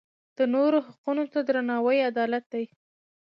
د نورو حقونو ته درناوی عدالت دی.